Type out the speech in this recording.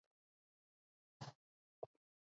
ფასადები და ინტერიერი შელესილია.